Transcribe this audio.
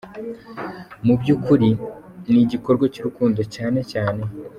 Mu by’ukuri ni igikorwa cy’urukundo cyane cyane.